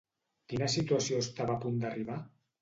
Quina situació estava a punt d'arribar?